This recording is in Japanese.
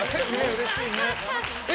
うれしいね。